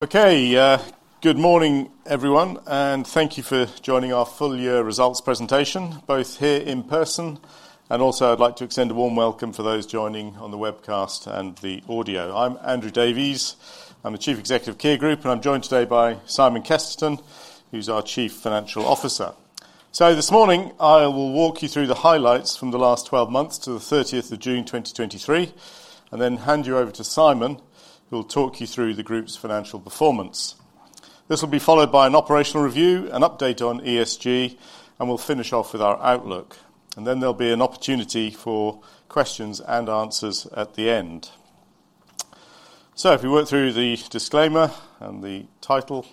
Okay, good morning, everyone, and thank you for joining our full year results presentation, both here in person and also I'd like to extend a warm welcome for those joining on the webcast and the audio. I'm Andrew Davies. I'm the Chief Executive, Kier Group, and I'm joined today by Simon Kesterton, who's our Chief Financial Officer. So this morning, I will walk you through the highlights from the last 12 months to the 30th of June, 2023, and then hand you over to Simon, who will talk you through the group's financial performance. This will be followed by an operational review, an update on ESG, and we'll finish off with our outlook. And then there'll be an opportunity for questions-and-answers at the end. So if we work through the disclaimer and the title.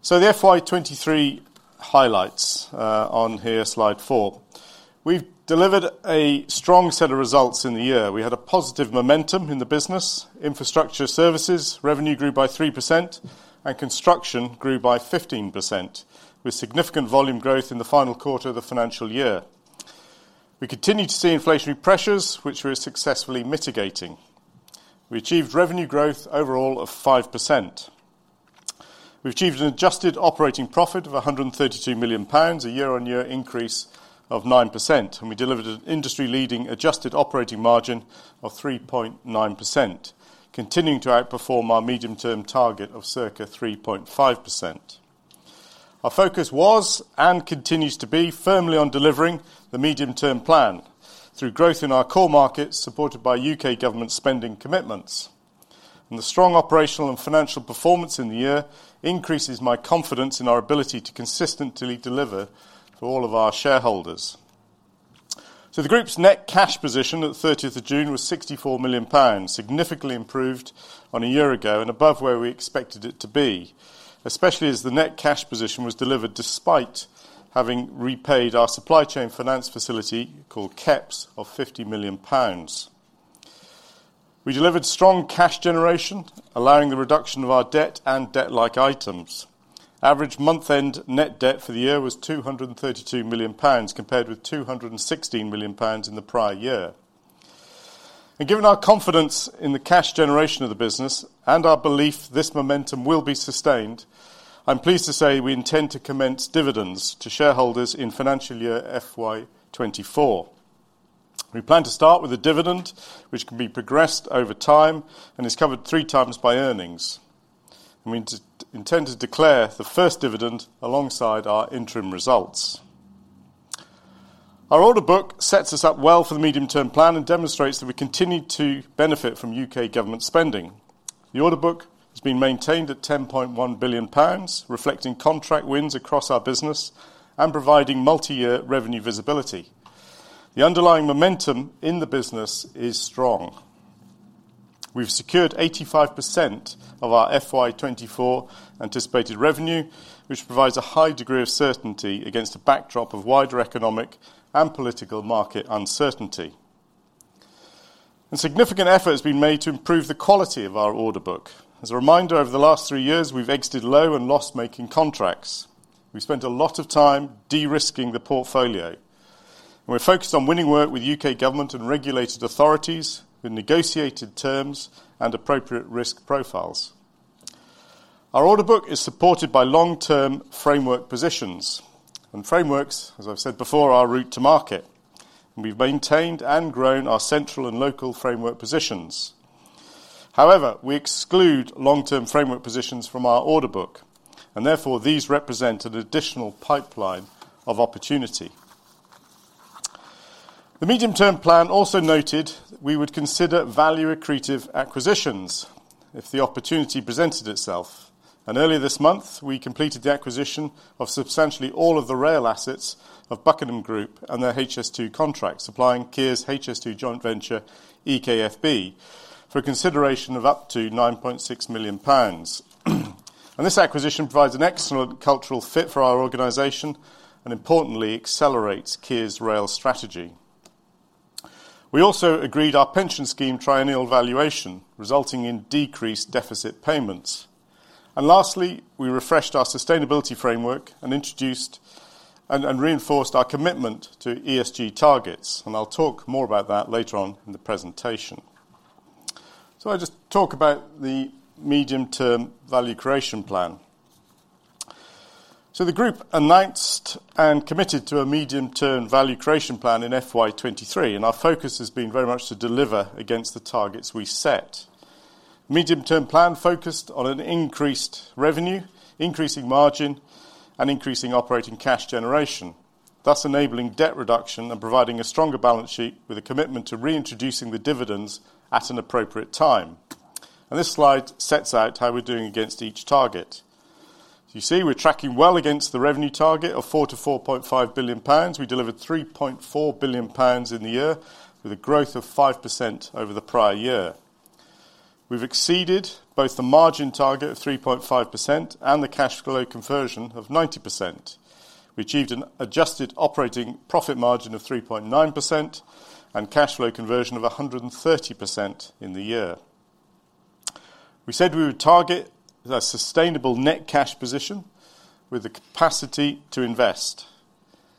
So the FY 2023 highlights, on here, slide four. We've delivered a strong set of results in the year. We had a positive momentum in the Infrastructure Services, revenue grew by 3%, and construction grew by 15%, with significant volume growth in the final quarter of the financial year. We continued to see inflationary pressures, which we're successfully mitigating. We achieved revenue growth overall of 5%. We've achieved an adjusted operating profit of 132 million pounds, a year-on-year increase of 9%, and we delivered an industry-leading adjusted operating margin of 3.9%, continuing to outperform our medium-term target of circa 3.5%. Our focus was, and continues to be, firmly on delivering the medium-term plan through growth in our core markets, supported by U.K. government spending commitments. The strong operational and financial performance in the year increases my confidence in our ability to consistently deliver for all of our shareholders. The group's net cash position at the thirtieth of June was GBP 64 million, significantly improved on a year ago and above where we expected it to be, especially as the net cash position was delivered despite having repaid our supply chain finance facility, called KEPS, of 50 million pounds. We delivered strong cash generation, allowing the reduction of our debt and debt-like items. Average month-end net debt for the year was GBP 232 million, compared with GBP 216 million in the prior year. Given our confidence in the cash generation of the business and our belief this momentum will be sustained, I'm pleased to say we intend to commence dividends to shareholders in financial year FY 2024. We plan to start with a dividend which can be progressed over time and is covered 3x by earnings. We intend to declare the first dividend alongside our interim results. Our order book sets us up well for the medium-term plan and demonstrates that we continue to benefit from U.K. government spending. The order book has been maintained at 10.1 billion pounds, reflecting contract wins across our business and providing multi-year revenue visibility. The underlying momentum in the business is strong. We've secured 85% of our FY 2024 anticipated revenue, which provides a high degree of certainty against a backdrop of wider economic and political market uncertainty. Significant effort has been made to improve the quality of our order book. As a reminder, over the last three years, we've exited low and loss-making contracts. We spent a lot of time de-risking the portfolio, and we're focused on winning work with U.K. government and regulated authorities in negotiated terms and appropriate risk profiles. Our order book is supported by long-term framework positions, and frameworks, as I've said before, are our route to market, and we've maintained and grown our central and local framework positions. However, we exclude long-term framework positions from our order book, and therefore, these represent an additional pipeline of opportunity. The medium-term plan also noted we would consider value-accretive acquisitions if the opportunity presented itself. Earlier this month, we completed the acquisition of substantially all of the rail assets of Buckingham Group and their HS2 contract, supplying Kier's HS2 joint venture, EKFB, for a consideration of up to 9.6 million pounds. This acquisition provides an excellent cultural fit for our organization and importantly, accelerates Kier's rail strategy. We also agreed our pension scheme triennial valuation, resulting in decreased deficit payments. And lastly, we refreshed our sustainability framework and introduced and reinforced our commitment to ESG targets, and I'll talk more about that later on in the presentation. So I'll just talk about the medium-term value creation plan. So the group announced and committed to a medium-term value creation plan in FY 2023, and our focus has been very much to deliver against the targets we set. Medium-term plan focused on an increased revenue, increasing margin, and increasing operating cash generation, thus enabling debt reduction and providing a stronger balance sheet with a commitment to reintroducing the dividends at an appropriate time. And this slide sets out how we're doing against each target. You see, we're tracking well against the revenue target of 4 billion-4.5 billion pounds. We delivered 3.4 billion pounds in the year with a growth of 5% over the prior year. We've exceeded both the margin target of 3.5% and the cash flow conversion of 90%. We achieved an adjusted operating profit margin of 3.9% and cash flow conversion of 130% in the year. We said we would target a sustainable net cash position with the capacity to invest.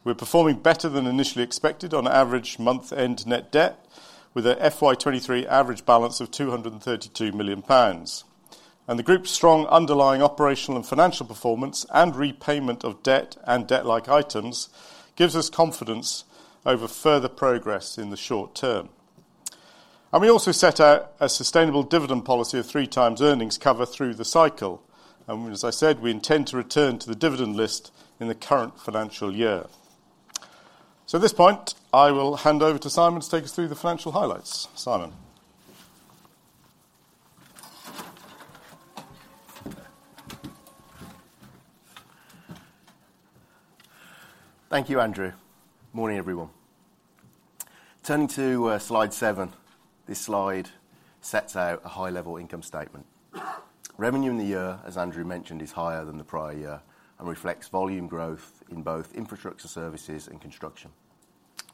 We're performing better than initially expected on average month-end net debt, with a FY 2023 average balance of 232 million pounds. The group's strong underlying operational and financial performance, and repayment of debt and debt-like items, gives us confidence over further progress in the short term. We also set out a sustainable dividend policy of 3x earnings cover through the cycle. As I said, we intend to return to the dividend list in the current financial year. At this point, I will hand over to Simon to take us through the financial highlights. Simon? Thank you, Andrew. Morning, everyone. Turning to slide seven, this slide sets out a high-level income statement. Revenue in the year, as Andrew mentioned, is higher than the prior year and reflects volume Infrastructure Services and Construction,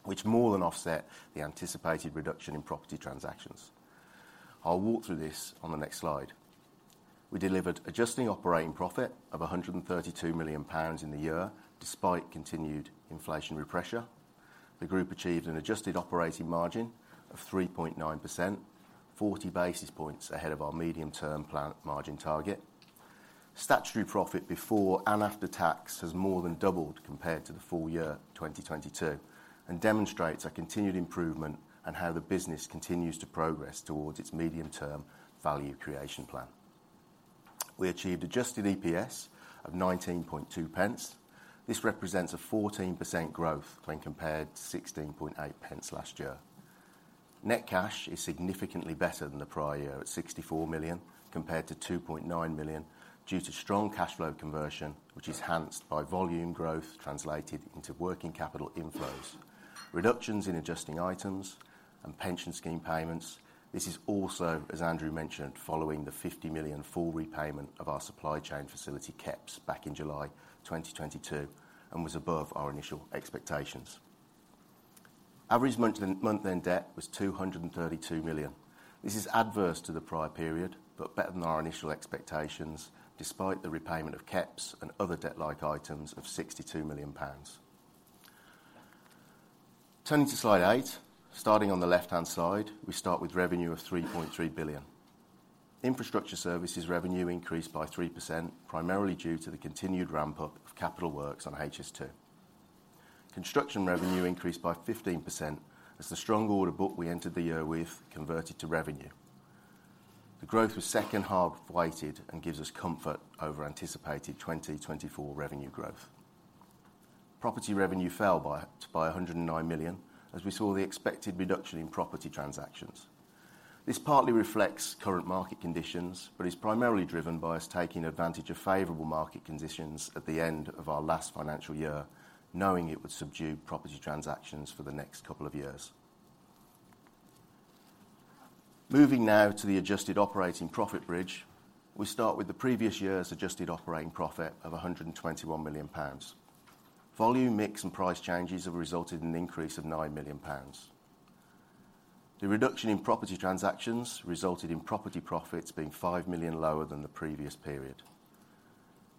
which more than offset the anticipated reduction in property transactions. I'll walk through this on the next slide. We delivered adjusting operating profit of 132 million pounds in the year, despite continued inflationary pressure. The group achieved an adjusted operating margin of 3.9%, 40 basis points ahead of our medium-term plan margin target. Statutory profit before and after tax has more than doubled compared to the full year 2022, and demonstrates a continued improvement in how the business continues to progress towards its medium-term value creation plan. We achieved adjusted EPS of 0.192 pence. This represents a 14% growth when compared to 0.168 last year. Net cash is significantly better than the prior year, at 64 million, compared to 2.9 million, due to strong cash flow conversion, which is enhanced by volume growth translated into working capital inflows, reductions in adjusting items and pension scheme payments. This is also, as Andrew mentioned, following the 50 million full repayment of our supply chain facility, KEPS, back in July 2022, and was above our initial expectations. Average month, month-end debt was 232 million. This is adverse to the prior period, but better than our initial expectations, despite the repayment of KEPS and other debt-like items of 62 million pounds. Turning to slide eight, starting on the left-hand side, we start with revenue of 3.3 billion. Infrastructure Services revenue increased by 3%, primarily due to the continued ramp up of capital works on HS2. Construction revenue increased by 15%, as the strong order book we entered the year with converted to revenue. The growth was second half weighted and gives us comfort over anticipated 2024 revenue growth. Property revenue fell by 109 million, as we saw the expected reduction in property transactions. This partly reflects current market conditions, but is primarily driven by us taking advantage of favorable market conditions at the end of our last financial year, knowing it would subdue property transactions for the next couple of years. Moving now to the adjusted operating profit bridge. We start with the previous year's adjusted operating profit of 121 million pounds. Volume, mix, and price changes have resulted in an increase of 9 million pounds. The reduction in property transactions resulted in property profits being 5 million lower than the previous period.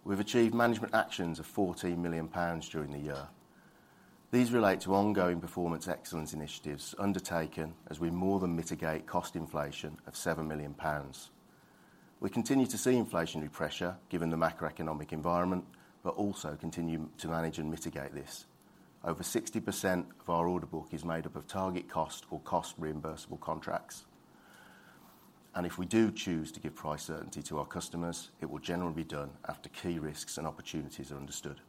We've achieved management actions of 14 million pounds during the year. These relate to ongoing performance excellence initiatives undertaken as we more than mitigate cost inflation of 7 million pounds. We continue to see inflationary pressure, given the macroeconomic environment, but also continue to manage and mitigate this. Over 60% of our order book is made up of target cost or cost reimbursable contracts. If we do choose to give price certainty to our customers, it will generally be done after key risks and opportunities are understood.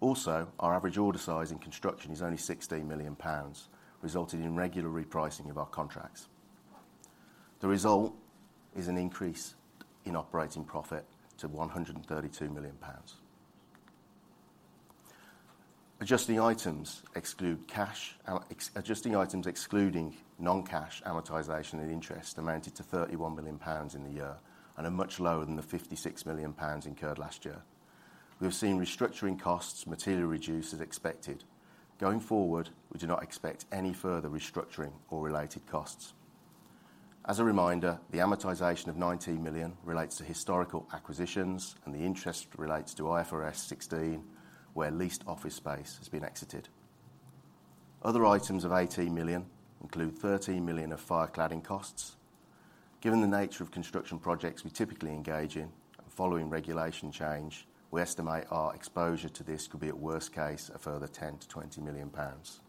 Also, our average order size in construction is only 16 million pounds, resulting in regular repricing of our contracts. The result is an increase in operating profit to 132 million pounds. Adjusting items exclude cash, adjusting items excluding non-cash amortization and interest amounted to 31 million pounds in the year, and are much lower than the 56 million pounds incurred last year. We have seen restructuring costs materially reduced as expected. Going forward, we do not expect any further restructuring or related costs. As a reminder, the amortization of 19 million relates to historical acquisitions, and the interest relates to IFRS 16, where leased office space has been exited. Other items of 18 million include 13 million of fire cladding costs. Given the nature of construction projects we typically engage in, and following regulation change, we estimate our exposure to this could be, at worst case, a further 10 million-20 million pounds.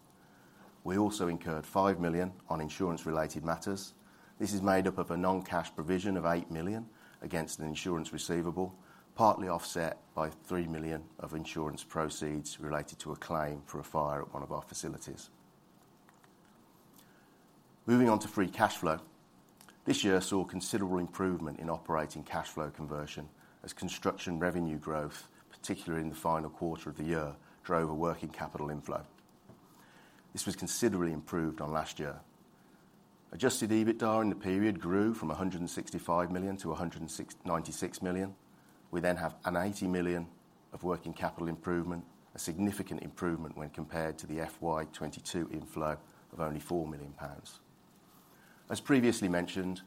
We also incurred 5 million on insurance-related matters. This is made up of a non-cash provision of 8 million against an insurance receivable, partly offset by 3 million of insurance proceeds related to a claim for a fire at one of our facilities. Moving on to free cash flow. This year saw considerable improvement in operating cash flow conversion as construction revenue growth, particularly in the final quarter of the year, drove a working capital inflow. This was considerably improved on last year. Adjusted EBITDA in the period grew from 165 million to 196 million. We then have 80 million of working capital improvement, a significant improvement when compared to the FY 2022 inflow of only 4 million pounds. As previously mentioned,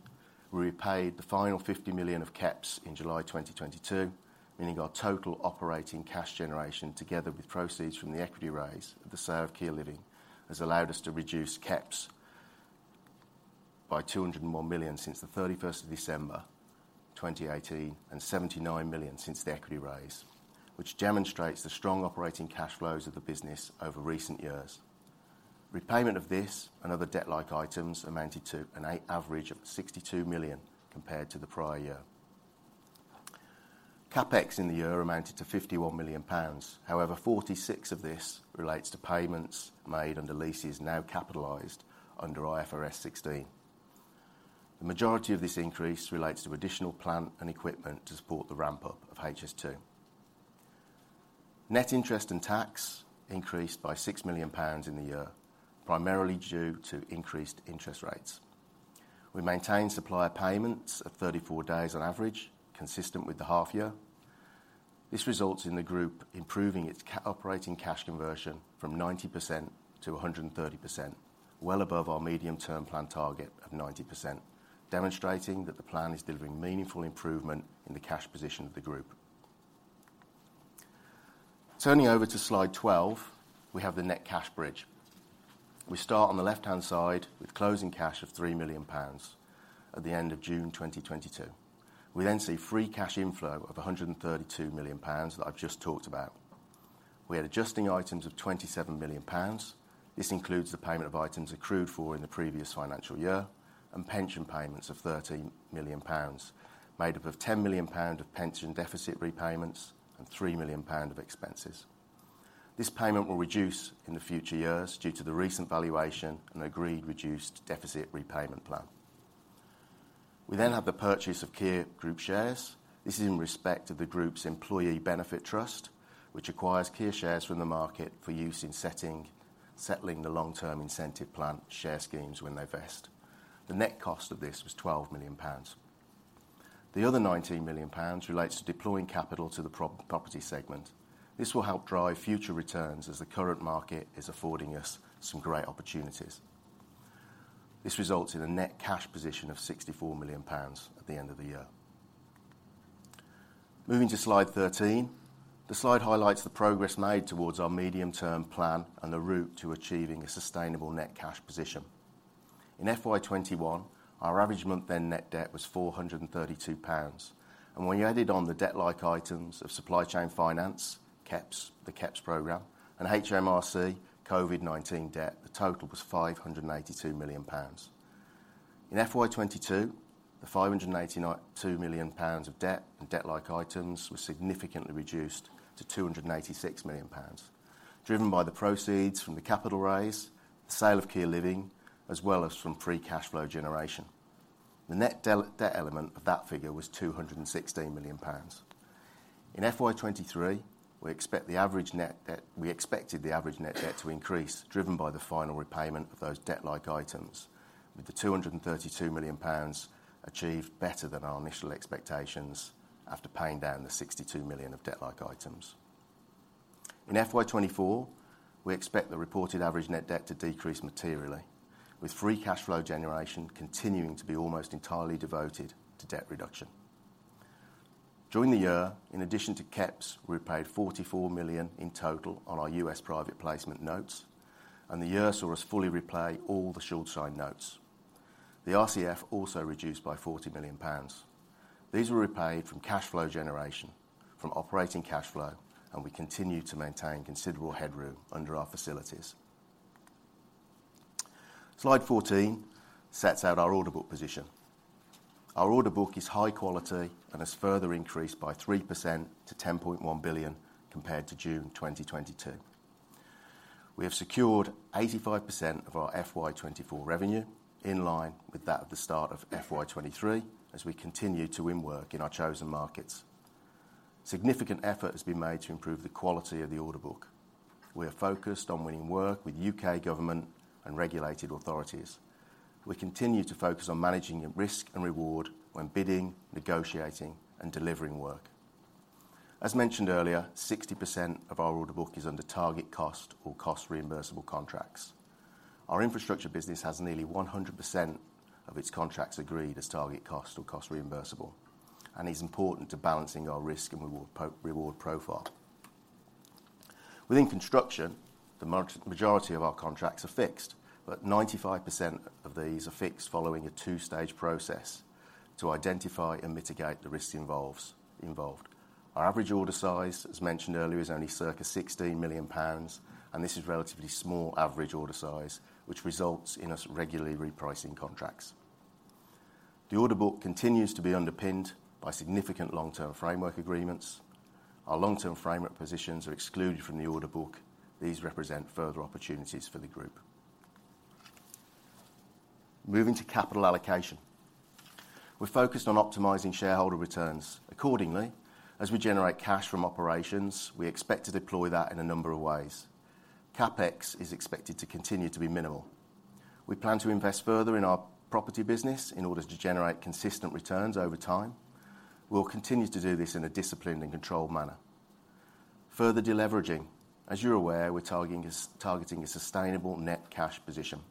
we repaid the final 50 million of KEPS in July 2022, meaning our total operating cash generation, together with proceeds from the equity raise of the sale of Kier Living, has allowed us to reduce KEPS by 201 million since 31st of December 2018, and 79 million since the equity raise, which demonstrates the strong operating cash flows of the business over recent years. Repayment of this and other debt-like items amounted to an average of 62 million compared to the prior year. CapEx in the year amounted to 51 million pounds. However, 46 of this relates to payments made under leases now capitalized under IFRS 16. The majority of this increase relates to additional plant and equipment to support the ramp-up of HS2. Net interest and tax increased by 6 million pounds in the year, primarily due to increased interest rates. We maintained supplier payments of 34 days on average, consistent with the half year. This results in the group improving its operating cash conversion from 90% to 130%, well above our medium-term plan target of 90%, demonstrating that the plan is delivering meaningful improvement in the cash position of the group. Turning over to slide 12, we have the net cash bridge. We start on the left-hand side with closing cash of 3 million pounds at the end of June 2022. We then see free cash inflow of 132 million pounds that I've just talked about. We had adjusting items of 27 million pounds. This includes the payment of items accrued for in the previous financial year, and pension payments of 13 million pounds, made up of 10 million pound of pension deficit repayments and 3 million pound of expenses. This payment will reduce in the future years due to the recent valuation and agreed reduced deficit repayment plan. We then have the purchase of Kier Group shares. This is in respect to the group's employee benefit trust, which acquires Kier shares from the market for use in setting, settling the long-term incentive plan share schemes when they vest. The net cost of this was 12 million pounds. The other 19 million pounds relates to deploying capital to the Property segment. This will help drive future returns as the current market is affording us some great opportunities. This results in a net cash position of 64 million pounds at the end of the year. Moving to slide 13. The slide highlights the progress made towards our medium-term plan and the route to achieving a sustainable net cash position. In FY 2021, our average month-end net debt was 432 million pounds, and when you added on the debt-like items of supply chain finance, KEPS, the KEPS program, and HMRC COVID-19 debt, the total was 582 million pounds. In FY 2022, the 582 million pounds of debt and debt-like items was significantly reduced to 286 million pounds, driven by the proceeds from the capital raise, the sale of Kier Living, as well as from free cash flow generation. The net debt element of that figure was 216 million pounds. In FY 2023, we expect the average net debt. We expected the average net debt to increase, driven by the final repayment of those debt-like items, with the 232 million pounds achieved better than our initial expectations after paying down the 62 million of debt-like items. In FY 2024, we expect the reported average net debt to decrease materially, with free cash flow generation continuing to be almost entirely devoted to debt reduction. During the year, in addition to KEPS, we paid $44 million in total on our US Private Placement notes, and the year saw us fully repay all the Schuldschein notes. The RCF also reduced by 40 million pounds. These were repaid from cash flow generation, from operating cash flow, and we continue to maintain considerable headroom under our facilities. Slide 14 sets out our order book position. Our order book is high quality and has further increased by 3% to 10.1 billion, compared to June 2022. We have secured 85% of our FY 2024 revenue, in line with that at the start of FY 2023, as we continue to win work in our chosen markets. Significant effort has been made to improve the quality of the order book. We are focused on winning work with U.K. government and regulated authorities. We continue to focus on managing the risk and reward when bidding, negotiating, and delivering work. As mentioned earlier, 60% of our order book is under target cost or cost-reimbursable contracts. Our Infrastructure business has nearly 100% of its contracts agreed as target cost or cost reimbursable, and is important to balancing our risk and reward profile. Within construction, the majority of our contracts are fixed, but 95% of these are fixed following a two-stage process to identify and mitigate the risks involved. Our average order size, as mentioned earlier, is only circa 16 million pounds, and this is relatively small average order size, which results in us regularly repricing contracts. The order book continues to be underpinned by significant long-term framework agreements. Our long-term framework positions are excluded from the order book. These represent further opportunities for the group. Moving to capital allocation. We're focused on optimizing shareholder returns. Accordingly, as we generate cash from operations, we expect to deploy that in a number of ways. CapEx is expected to continue to be minimal. We plan to invest further in our Property business in order to generate consistent returns over time. We'll continue to do this in a disciplined and controlled manner. Further de-leveraging. As you're aware, we're targeting a sustainable net cash position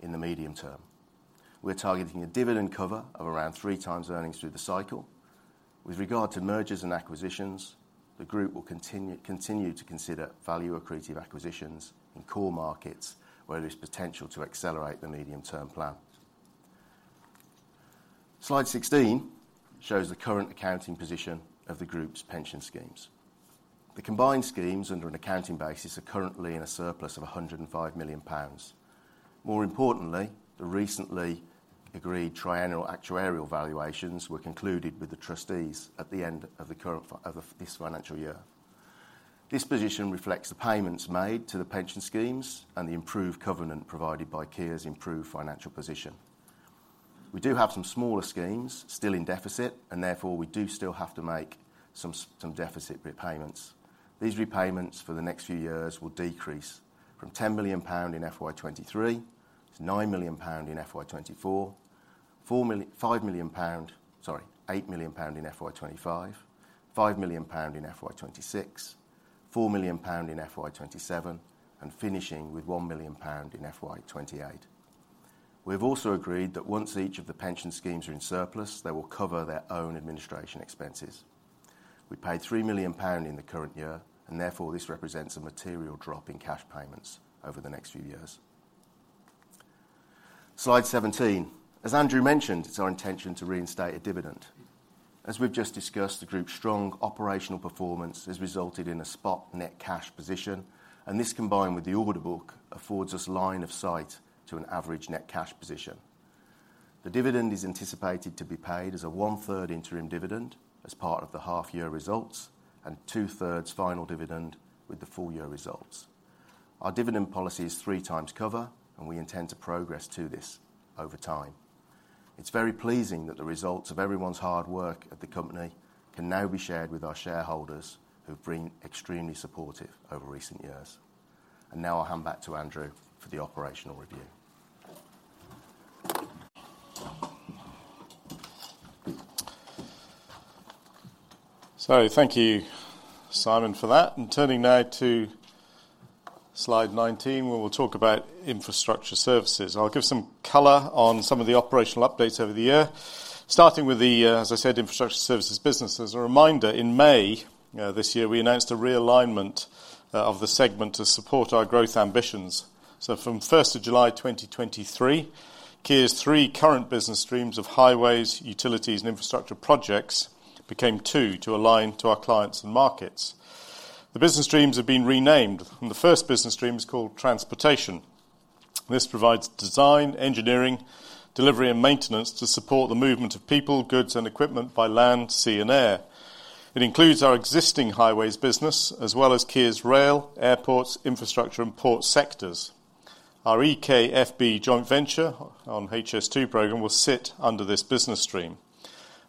in the medium term. We're targeting a dividend cover of around 3x earnings through the cycle. With regard to mergers and acquisitions, the group will continue to consider value accretive acquisitions in core markets where there's potential to accelerate the medium-term plan. Slide 16 shows the current accounting position of the group's pension schemes. The combined schemes, under an accounting basis, are currently in a surplus of 105 million pounds. More importantly, the recently agreed triennial actuarial valuations were concluded with the trustees at the end of the current financial year. This position reflects the payments made to the pension schemes and the improved covenant provided by Kier's improved financial position. We do have some smaller schemes still in deficit, and therefore, we do still have to make some deficit repayments. These repayments for the next few years will decrease from 10 million pound in FY 2023 to 9 million pound in FY 2024, 4 million, 5 million pound. Sorry, 8 million pound in FY 2025, 5 million pound in FY 2026, 4 million pound in FY 2027, and finishing with 1 million pound in FY 2028. We've also agreed that once each of the pension schemes are in surplus, they will cover their own administration expenses. We paid 3 million pound in the current year, and therefore, this represents a material drop in cash payments over the next few years. Slide 17. As Andrew mentioned, it's our intention to reinstate a dividend. As we've just discussed, the group's strong operational performance has resulted in a spot net cash position, and this, combined with the order book, affords us line of sight to an average net cash position. The dividend is anticipated to be paid as a 1/3 interim dividend as part of the half-year results, and 2/3 final dividend with the full year results. Our dividend policy is 3x cover, and we intend to progress to this over time. It's very pleasing that the results of everyone's hard work at the company can now be shared with our shareholders, who've been extremely supportive over recent years. Now I'll hand back to Andrew for the operational review. So thank you, Simon, for that. Turning now to slide 19, where we'll talk Infrastructure Services. i'll give some color on some of the operational updates over the year, starting with the, as Infrastructure Services business. as a reminder, in May, this year, we announced a realignment, of the segment to support our growth ambitions. So from first of July 2023, Kier's three current business streams of Highways, Utilities, and Infrastructure projects became two to align to our clients and markets. The business streams have been renamed, and the first business stream is called Transportation. This provides design, engineering, delivery, and maintenance to support the movement of people, goods, and equipment by land, sea, and air. It includes our existing Highways business, as well as Kier's rail, airports, infrastructure, and port sectors. Our EKFB joint venture on HS2 program will sit under this business stream,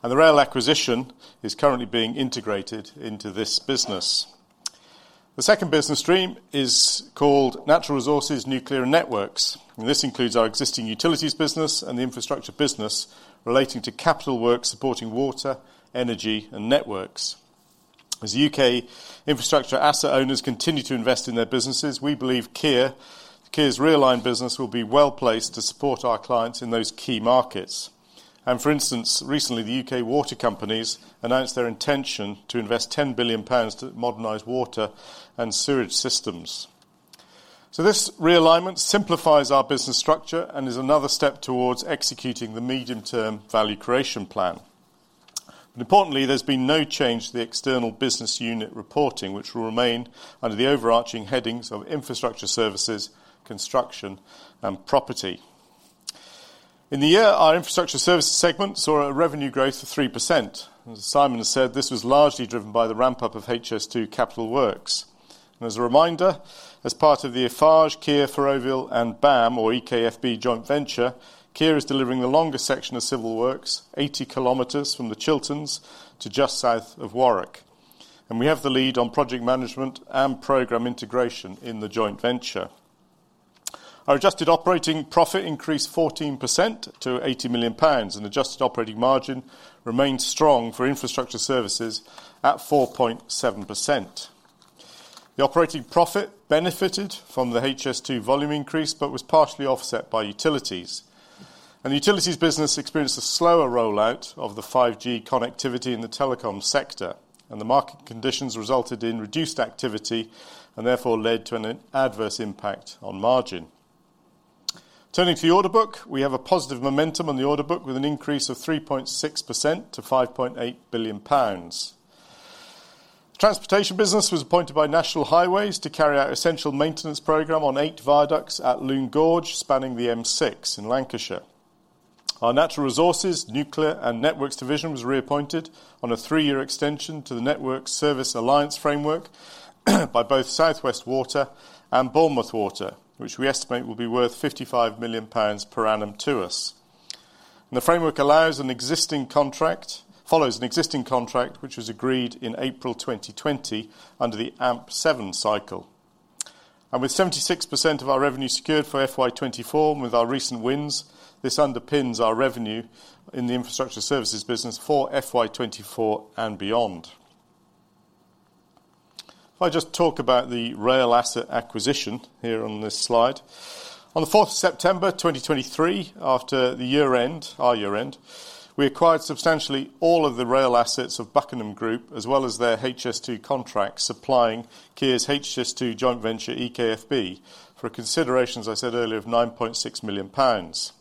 and the rail acquisition is currently being integrated into this business. The second business stream is called Natural Resources, Nuclear, and Networks, and this includes our existing Utilities business and the Infrastructure business relating to capital work supporting water, energy, and networks. As U.K. infrastructure asset owners continue to invest in their businesses, we believe Kier- Kier's realigned business will be well-placed to support our clients in those key markets. And for instance, recently, the U.K. water companies announced their intention to invest 10 billion pounds to modernize water and sewage systems. So this realignment simplifies our business structure and is another step towards executing the medium-term value creation plan. But importantly, there's been no change to the external business unit reporting, which will remain under the overarching headings Infrastructure Services, Construction, and Property. In the Infrastructure Services segment saw a revenue growth of 3%. As Simon has said, this was largely driven by the ramp-up of HS2 capital works. As a reminder, as part of the Eiffage, Kier, Ferrovial, and BAM or EKFB joint venture, Kier is delivering the longest section of civil works, 80 km from the Chilterns to just south of Warwick. We have the lead on project management and program integration in the joint venture. Our adjusted operating profit increased 14% to 80 million pounds, and adjusted operating margin remained strong Infrastructure Services at 4.7%. The operating profit benefited from the HS2 volume increase, but was partially offset by utilities. The Utilities business experienced a slower rollout of the 5G connectivity in the telecom sector, and the market conditions resulted in reduced activity and therefore led to an adverse impact on margin. Turning to the order book, we have a positive momentum on the order book with an increase of 3.6% to 5.8 billion pounds. Transportation business was appointed by National Highways to carry out essential maintenance program on eight viaducts at Lune Gorge, spanning the M6 in Lancashire. Our Natural Resources, Nuclear, and Networks Division was reappointed on a three-year extension to the Network Service Alliance framework by both South West Water and Bournemouth Water, which we estimate will be worth 55 million pounds per annum to us. The framework follows an existing contract, which was agreed in April 2020 under the AMP7 cycle. With 76% of our revenue secured for FY 2024 with our recent wins, this underpins our revenue Infrastructure Services business for fy 2024 and beyond. If I just talk about the rail asset acquisition here on this slide. On 4th September 2023, after the year end, our year end, we acquired substantially all of the rail assets of Buckingham Group, as well as their HS2 contract, supplying Kier's HS2 joint venture, EKFB, for a consideration, as I said earlier, of 9.6 million pounds.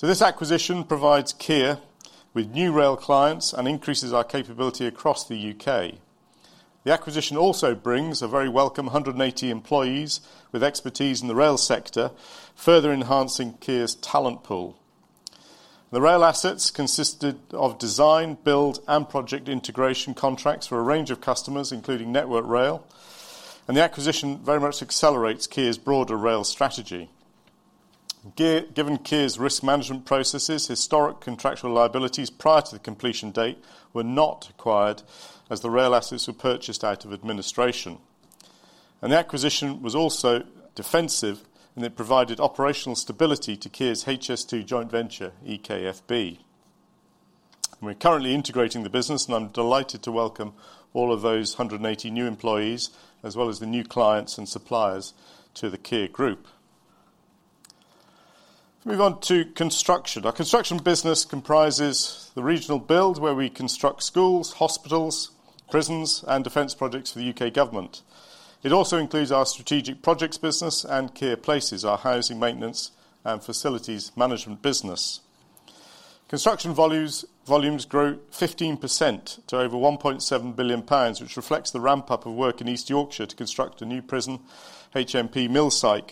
This acquisition provides Kier with new rail clients and increases our capability across the U.K. The acquisition also brings a very welcome 180 employees with expertise in the rail sector, further enhancing Kier's talent pool. The rail assets consisted of design, build and project integration contracts for a range of customers, including Network Rail, and the acquisition very much accelerates Kier's broader rail strategy. Given Kier's risk management processes, historic contractual liabilities prior to the completion date were not acquired as the rail assets were purchased out of administration. The acquisition was also defensive, and it provided operational stability to Kier's HS2 joint venture, EKFB. We're currently integrating the business, and I'm delighted to welcome all of those 180 new employees, as well as the new clients and suppliers to the Kier Group. If we move on to construction. Our Construction business comprises the regional build, where we construct schools, hospitals, prisons, and defense projects for the U.K. government. It also includes our strategic projects business and Kier Places, our housing maintenance and facilities management business. Construction volumes grew 15% to over 1.7 billion pounds, which reflects the ramp-up of work in East Yorkshire to construct a new prison, HMP Millsike,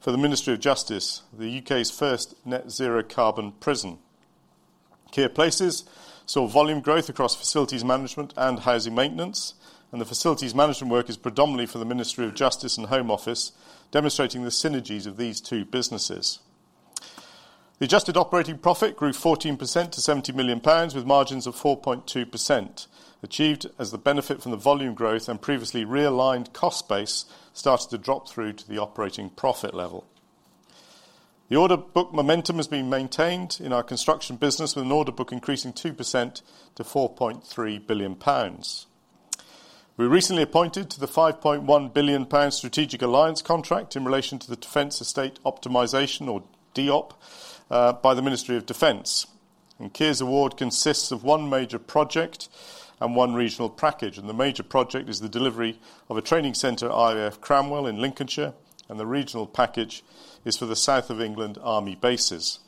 for the Ministry of Justice, the U.K.'s first net zero carbon prison. Kier Places saw volume growth across facilities management and housing maintenance, and the facilities management work is predominantly for the Ministry of Justice and Home Office, demonstrating the synergies of these two businesses. The adjusted operating profit grew 14% to 70 million pounds, with margins of 4.2%, achieved as the benefit from the volume growth and previously realigned cost base started to drop through to the operating profit level. The order book momentum has been maintained in our Construction business, with an order book increasing 2% to 4.3 billion pounds. We were recently appointed to the 5.1 billion pound strategic alliance contract in relation to the Defence Estate Optimisation, or DEOP, by the Ministry of Defence. Kier's award consists of one major project and one regional package, and the major project is the delivery of a training center, RAF Cranwell, in Lincolnshire, and the regional package is for the South of England army bases.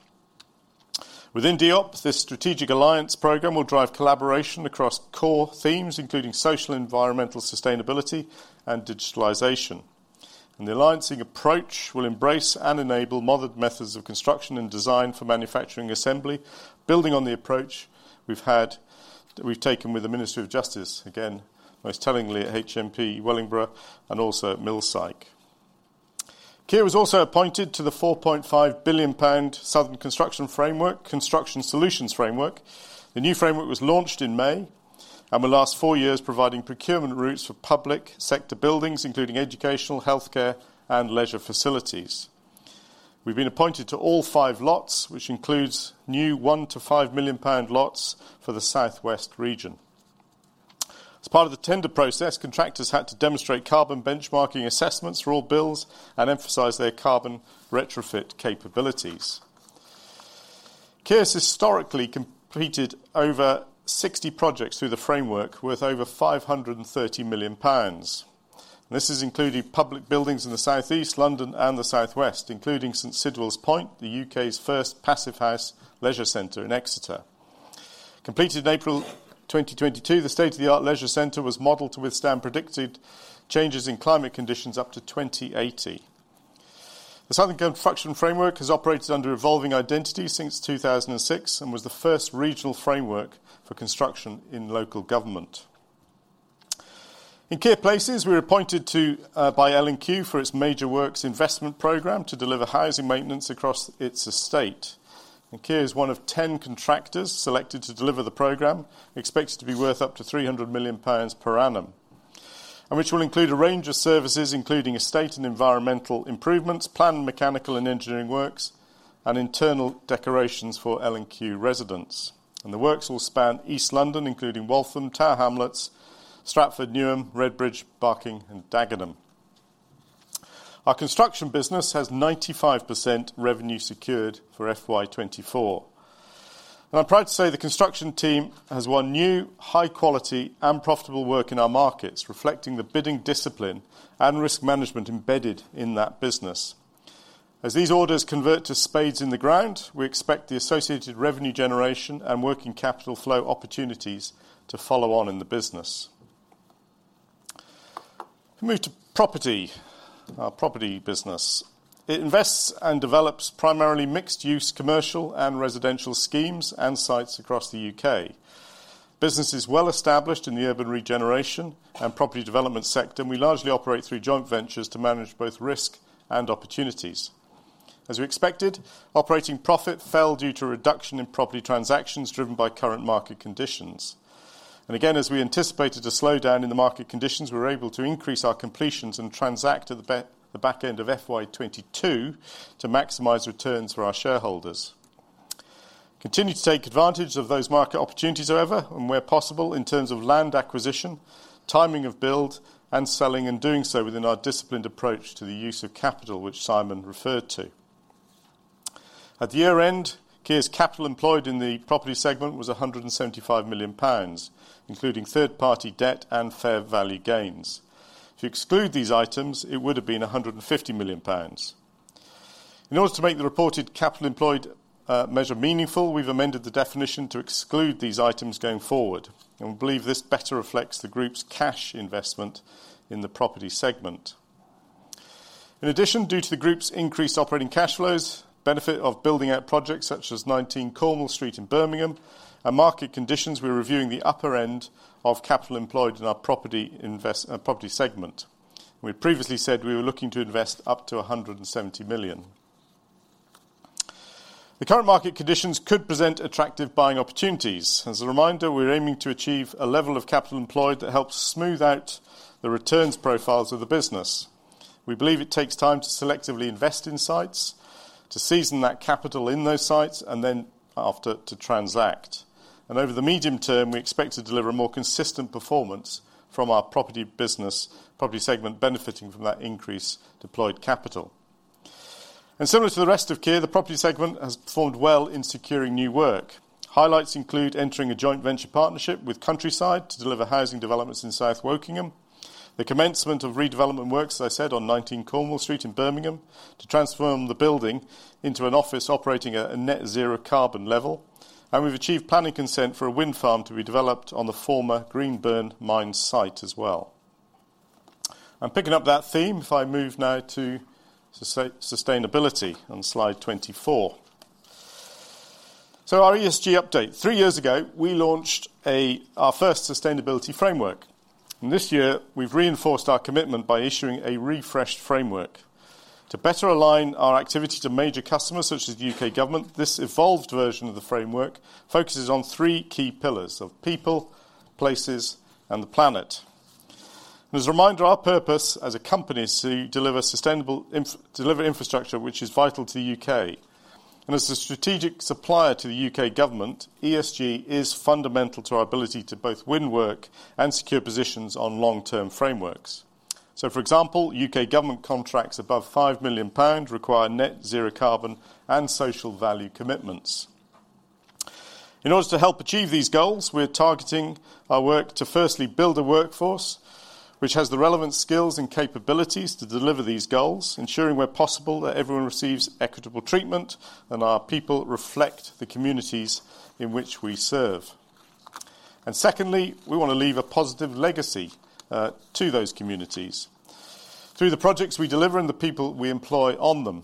Within DEOP, this strategic alliance program will drive collaboration across core themes, including social, environmental, sustainability and digitalization. The alliancing approach will embrace and enable modern methods of construction and design for manufacturing assembly, building on the approach we've taken with the Ministry of Justice, again, most tellingly at HMP Wellingborough and also at HMP Millsike. Kier was also appointed to the 4.5 billion pound Southern Construction Framework, Construction Solutions Framework. The new framework was launched in May and will last four years, providing procurement routes for public sector buildings, including educational, healthcare and leisure facilities. We've been appointed to all five lots, which includes new 1 million-5 million pound lots for the southwest region. As part of the tender process, contractors had to demonstrate carbon benchmarking assessments for all builds and emphasize their carbon retrofit capabilities. Kier has historically completed over 60 projects through the framework, worth over 530 million pounds. This is including public buildings in the southeast, London, and the southwest, including St Sidwell's Point, the U.K.'s first Passivhaus leisure center in Exeter. Completed in April 2022, the state-of-the-art leisure center was modeled to withstand predicted changes in climate conditions up to 2080. The Southern Construction Framework has operated under evolving identities since 2006 and was the first regional framework for construction in local government. In Kier Places, we were appointed to by L&Q for its major works investment program to deliver housing maintenance across its estate. Kier is one of 10 contractors selected to deliver the program, expected to be worth up to 300 million pounds per annum, and which will include a range of services, including estate and environmental improvements, planned mechanical and engineering works, and internal decorations for L&Q residents. The works will span East London, including Waltham, Tower Hamlets, Stratford, Newham, Redbridge, Barking and Dagenham. Our Construction business has 95% revenue secured for FY 2024. I'm proud to say the construction team has won new, high quality and profitable work in our markets, reflecting the bidding discipline and risk management embedded in that business. As these orders convert to spades in the ground, we expect the associated revenue generation and working capital flow opportunities to follow on in the business. If we move to property, our Property business. It invests and develops primarily mixed-use commercial and residential schemes and sites across the U.K. Business is well-established in the urban regeneration and property development sector, and we largely operate through joint ventures to manage both risk and opportunities. As we expected, operating profit fell due to a reduction in property transactions, driven by current market conditions. And again, as we anticipated a slowdown in the market conditions, we were able to increase our completions and transact at the back end of FY 2022 to maximize returns for our shareholders. Continue to take advantage of those market opportunities however, and where possible, in terms of land acquisition, timing of build, and selling, and doing so within our disciplined approach to the use of capital, which Simon referred to. At the year-end, Kier's capital employed in the Property segment was 175 million pounds, including third-party debt and fair value gains. To exclude these items, it would have been 150 million pounds. In order to make the reported capital employed measure meaningful, we've amended the definition to exclude these items going forward, and we believe this better reflects the group's cash investment in the Property segment. In addition, due to the group's increased operating cash flows, benefit of building out projects such as 19 Cornwall Street in Birmingham, and market conditions, we're reviewing the upper end of capital employed in our Property segment. We previously said we were looking to invest up to 170 million. The current market conditions could present attractive buying opportunities. As a reminder, we're aiming to achieve a level of capital employed that helps smooth out the returns profiles of the business. We believe it takes time to selectively invest in sites, to season that capital in those sites, and then after, to transact. And over the medium term, we expect to deliver a more consistent performance from our Property business, Property segment, benefiting from that increased deployed capital. And similar to the rest of Kier, the Property segment has performed well in securing new work. Highlights include entering a joint venture partnership with Countryside to deliver housing developments in South Wokingham, the commencement of redevelopment works, as I said, on 19 Cornwall Street in Birmingham to transform the building into an office operating at a net zero carbon level. We've achieved planning consent for a wind farm to be developed on the former Greenburn mine site as well. I'm picking up that theme if I move now to sustainability on slide 24. So our ESG update. Three years ago, we launched our first sustainability framework, and this year, we've reinforced our commitment by issuing a refreshed framework. To better align our activity to major customers such as the U.K. government, this evolved version of the framework focuses on three key pillars of people, places, and the planet. As a reminder, our purpose as a company is to deliver sustainable deliver infrastructure which is vital to the U.K. As a strategic supplier to the U.K. government, ESG is fundamental to our ability to both win work and secure positions on long-term frameworks. So, for example, U.K. government contracts above 5 million pounds require net zero carbon and social value commitments. In order to help achieve these goals, we're targeting our work to firstly, build a workforce which has the relevant skills and capabilities to deliver these goals, ensuring where possible, that everyone receives equitable treatment, and our people reflect the communities in which we serve. Secondly, we want to leave a positive legacy to those communities through the projects we deliver and the people we employ on them.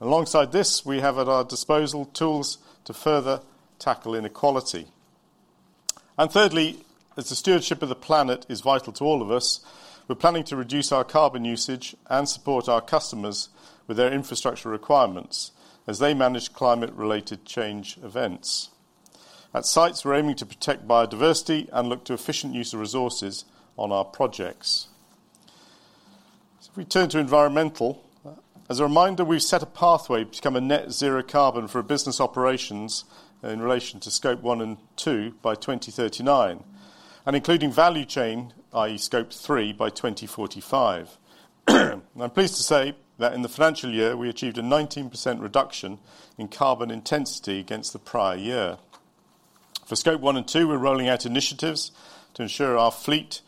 Alongside this, we have at our disposal tools to further tackle inequality. And thirdly, as the stewardship of the planet is vital to all of us, we're planning to reduce our carbon usage and support our customers with their infrastructure requirements as they manage climate-related change events. At sites, we're aiming to protect biodiversity and look to efficient use of resources on our projects. So if we turn to environmental, as a reminder, we've set a pathway to become a net zero carbon for business operations in relation to Scope 1 and 2 by 2039, and including value chain, i.e., Scope 3, by 2045. I'm pleased to say that in the financial year, we achieved a 19% reduction in carbon intensity against the prior year. For Scope 1 and 2, we're rolling out initiatives to ensure our fleet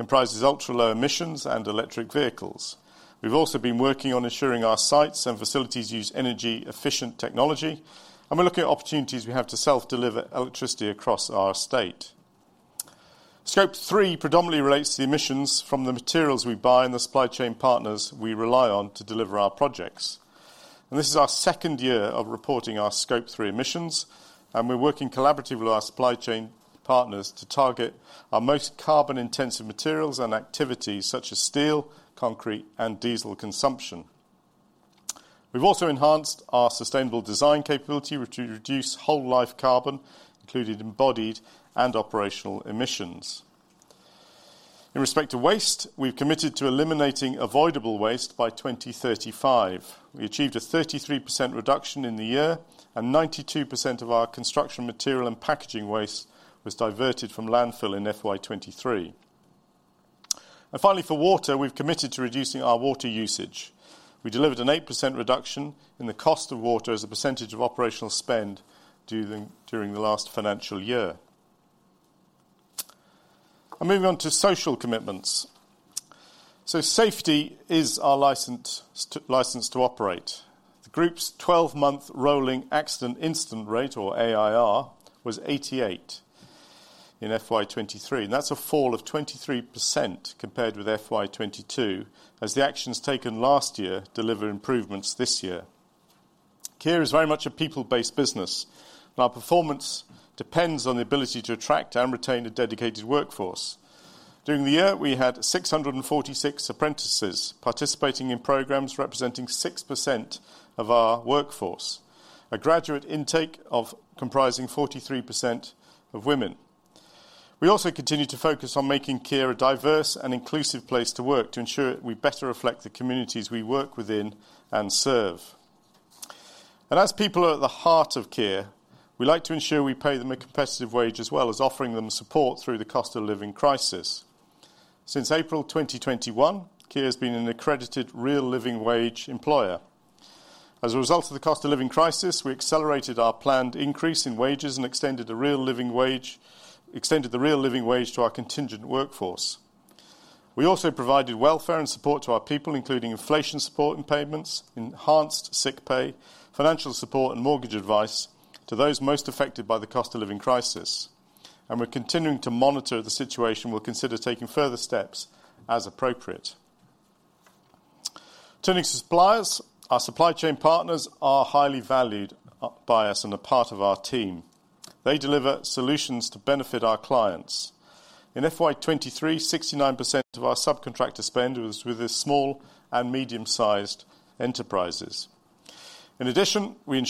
comprises ultra-low emissions and electric vehicles. We've also been working on ensuring our sites and facilities use energy-efficient technology, and we're looking at opportunities we have to self-deliver electricity across our estate. Scope 3 predominantly relates to emissions from the materials we buy and the supply chain partners we rely on to deliver our projects. This is our second year of reporting our Scope 3 emissions, and we're working collaboratively with our supply chain partners to target our most carbon-intensive materials and activities, such as steel, concrete, and diesel consumption. We've also enhanced our sustainable design capability, which reduce whole life carbon, including embodied and operational emissions. In respect to waste, we've committed to eliminating avoidable waste by 2035. We achieved a 33% reduction in the year, and 92% of our construction material and packaging waste was diverted from landfill in FY 2023. And finally, for water, we've committed to reducing our water usage. We delivered an 8% reduction in the cost of water as a percentage of operational spend during the last financial year. I'm moving on to social commitments. Safety is our license to operate. The group's 12-month rolling accident incident rate or AIR was 88 in FY 2023. That's a fall of 23% compared with FY 2022, as the actions taken last year deliver improvements this year. Kier is very much a people-based business, and our performance depends on the ability to attract and retain a dedicated workforce. During the year, we had 646 apprentices participating in programs representing 6% of our workforce. A graduate intake comprising 43% of women. We also continue to focus on making Kier a diverse and inclusive place to work, to ensure we better reflect the communities we work within and serve. As people are at the heart of Kier, we like to ensure we pay them a competitive wage as well as offering them support through the cost of living crisis. Since April 2021, Kier has been an accredited Real Living Wage employer. As a result of the cost of living crisis, we accelerated our planned increase in wages and extended the Real Living Wage to our contingent workforce. We also provided welfare and support to our people, including inflation support and payments, enhanced sick pay, financial support, and mortgage advice to those most affected by the cost of living crisis, and we're continuing to monitor the situation. We'll consider taking further steps as appropriate. Turning to suppliers, our supply chain partners are highly valued by us and are part of our team. They deliver solutions to benefit our clients. In FY 2023, 69% of our subcontractor spend was with the small and medium-sized enterprises. In addition, we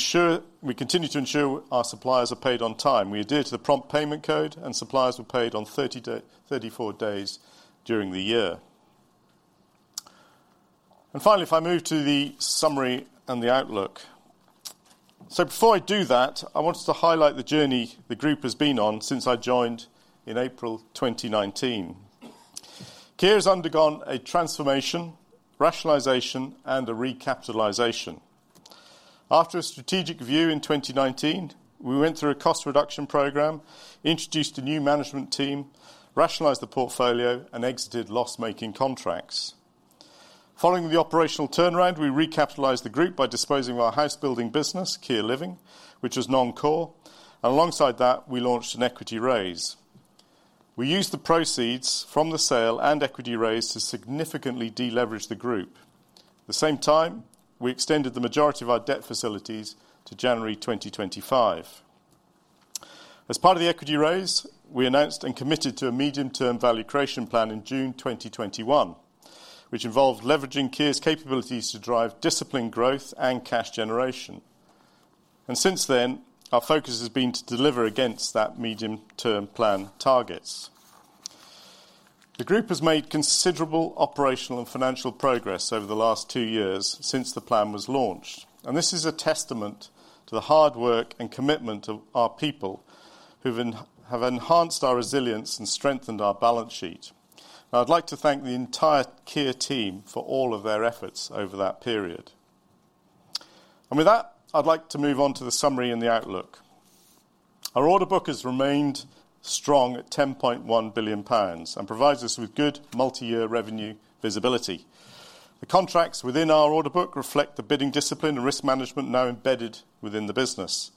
continue to ensure our suppliers are paid on time. We adhere to the Prompt Payment Code, and suppliers were paid on 34 days during the year. Finally, if I move to the summary and the outlook. Before I do that, I wanted to highlight the journey the group has been on since I joined in April 2019. Kier has undergone a transformation, rationalization, and a recapitalization. After a strategic review in 2019, we went through a cost reduction program, introduced a new management team, rationalized the portfolio, and exited loss-making contracts. Following the operational turnaround, we recapitalized the group by disposing of our house building business, Kier Living, which was non-core, and alongside that, we launched an equity raise. We used the proceeds from the sale and equity raise to significantly de-leverage the group. At the same time, we extended the majority of our debt facilities to January 2025. As part of the equity raise, we announced and committed to a medium-term value creation plan in June 2021, which involved leveraging Kier's capabilities to drive disciplined growth and cash generation. Since then, our focus has been to deliver against that medium-term plan targets. The group has made considerable operational and financial progress over the last two years since the plan was launched, and this is a testament to the hard work and commitment of our people, who have enhanced our resilience and strengthened our balance sheet. I'd like to thank the entire Kier team for all of their efforts over that period. With that, I'd like to move on to the summary and the outlook. Our order book has remained strong at 10.1 billion pounds and provides us with good multi-year revenue visibility. The contracts within our order book reflect the bidding discipline and risk management now embedded within the business.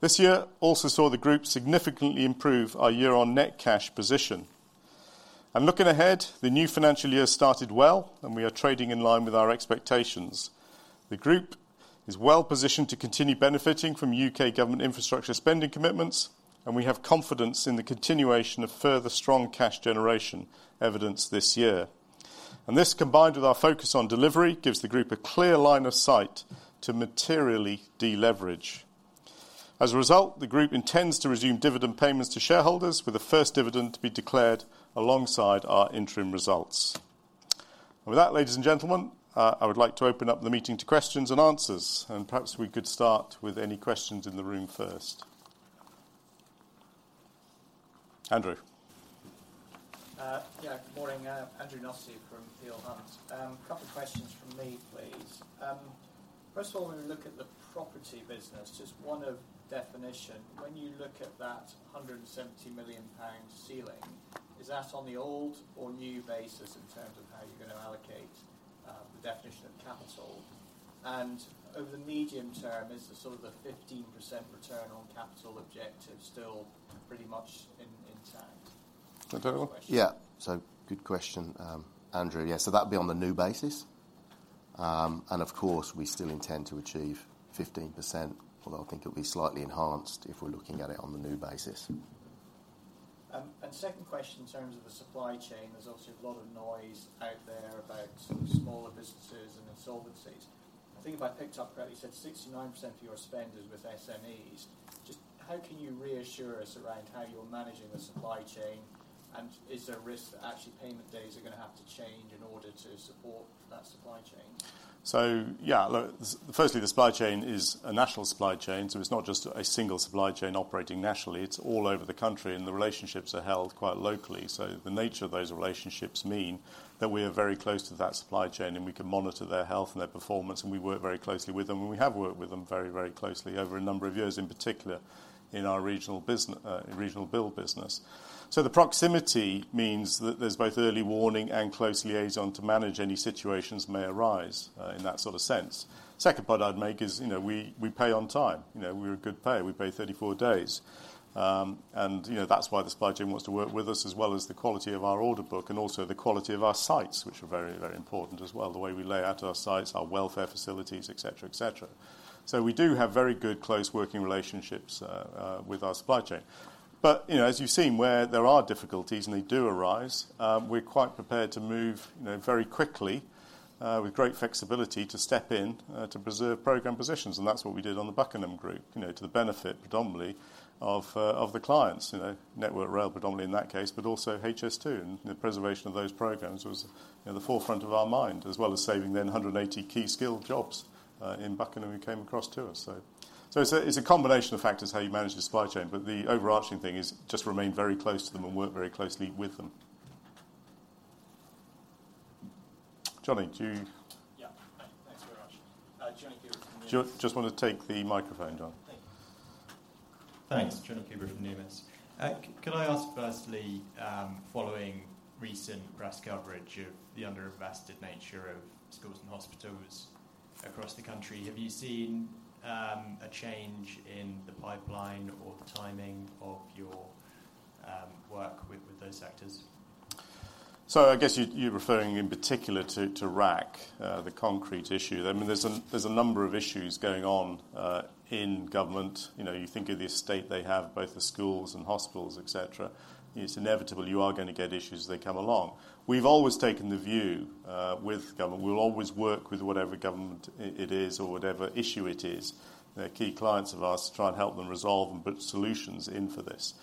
This year also saw the group significantly improve our year-end net cash position. Looking ahead, the new financial year started well, and we are trading in line with our expectations. The group is well positioned to continue benefiting from U.K. government infrastructure spending commitments, and we have confidence in the continuation of further strong cash generation evidenced this year. This, combined with our focus on delivery, gives the group a clear line of sight to materially de-leverage. As a result, the group intends to resume dividend payments to shareholders, with the first dividend to be declared alongside our interim results. With that, ladies and gentlemen, I would like to open up the meeting to questions and answers, and perhaps we could start with any questions in the room first. Andrew? Yeah, good morning. Andrew Nussey from Peel Hunt. A couple of questions from me, please. First of all, when we look at the Property business, just one of definition, when you look at that 170 million pound ceiling, is that on the old or new basis in terms of how you're going to allocate, the definition of capital? And over the medium term, is the sort of the 15% return on capital objective still pretty much in, intact? Is that right? Yeah. So good question, Andrew. Yeah, so that'll be on the new basis. And of course, we still intend to achieve 15%, although I think it'll be slightly enhanced if we're looking at it on the new basis. And second question, in terms of the supply chain, there's obviously a lot of noise out there about sort of smaller businesses and insolvencies. I think if I picked up correctly, you said 69% of your spend is with SMEs. Just how can you reassure us around how you're managing the supply chain, and is there a risk that actually payment days are going to have to change in order to support that supply chain? So yeah, look, firstly, the supply chain is a national supply chain, so it's not just a single supply chain operating nationally. It's all over the country, and the relationships are held quite locally. So the nature of those relationships mean that we are very close to that supply chain, and we can monitor their health and their performance, and we work very closely with them, and we have worked with them very, very closely over a number of years, in particular in our regional build business. So the proximity means that there's both early warning and close liaison to manage any situations may arise, in that sort of sense. Second point I'd make is, you know, we pay on time. You know, we're a good payer. We pay 34 days. You know, that's why the supply chain wants to work with us, as well as the quality of our order book and also the quality of our sites, which are very, very important as well, the way we lay out our sites, our welfare facilities, et cetera, et cetera. So we do have very good, close working relationships with our supply chain. But, you know, as you've seen, where there are difficulties, and they do arise, we're quite prepared to move, you know, very quickly, with great flexibility to step in, to preserve program positions, and that's what we did on the Buckingham Group, you know, to the benefit predominantly of the clients, you know, Network Rail, predominantly in that case, but also HS2. The preservation of those programs was, you know, the forefront of our mind, as well as saving them 180 key skilled jobs in Buckingham who came across to us. So, so it's a, it's a combination of factors, how you manage the supply chain, but the overarching thing is just remain very close to them and work very closely with them. Jonny, do you- Yeah. Thanks very much. Jonny Coubrough from Numis- Just want to take the microphone, John. Thank you. Thanks. Jonny Coubrough from Numis. Can I ask firstly, following recent press coverage of the under-invested nature of schools and hospitals across the country, have you seen a change in the pipeline or the timing of your work with those sectors? So I guess you're referring in particular to RAAC, the concrete issue. I mean, there's a number of issues going on in government. You know, you think of the estate they have, both the schools and hospitals, et cetera. It's inevitable you are gonna get issues as they come along. We've always taken the view with government, we'll always work with whatever government it is or whatever issue it is. They're key clients of ours to try and help them resolve and put solutions in for this.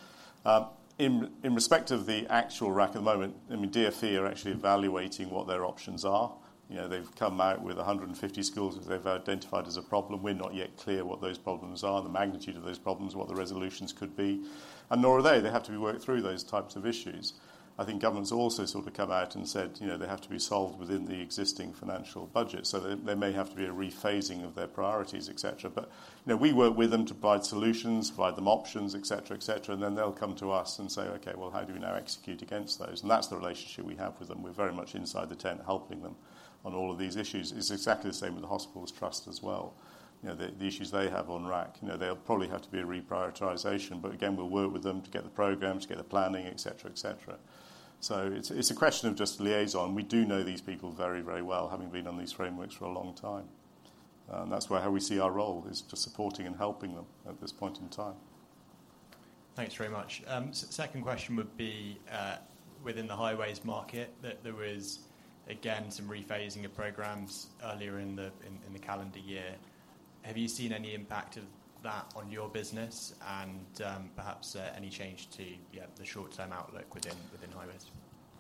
In respect of the actual RAAC at the moment, I mean, DfE are actually evaluating what their options are. You know, they've come out with 150 schools which they've identified as a problem. We're not yet clear what those problems are, the magnitude of those problems, what the resolutions could be, and nor are they. They have to be worked through those types of issues. I think government's also sort of come out and said, you know, they have to be solved within the existing financial budget, so there, there may have to be a rephasing of their priorities, et cetera. But, you know, we work with them to provide solutions, provide them options, et cetera, et cetera, and then they'll come to us and say, "Okay, well, how do we now execute against those?" And that's the relationship we have with them. We're very much inside the tent, helping them on all of these issues. It's exactly the same with the hospitals trust as well. You know, the issues they have on RAAC, you know, there'll probably have to be a reprioritization, but again, we'll work with them to get the programs, to get the planning, et cetera, et cetera. So it's a question of just liaison. We do know these people very, very well, having been on these frameworks for a long time. And that's where how we see our role, is just supporting and helping them at this point in time. Thanks very much. Second question would be, within the highways market, that there was, again, some rephasing of programs earlier in the calendar year. Have you seen any impact of that on your business and, perhaps, any change to the short-term outlook within highways?